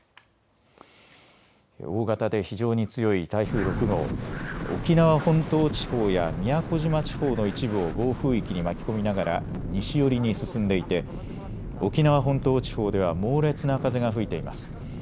大型で非常に強い台風６号、沖縄本島地方や宮古島地方の一部を暴風域に巻き込みながら西寄りに進んでいて沖縄本島地方では猛烈な風が吹いています。